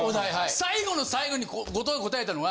最後の最後に後藤が答えたのは。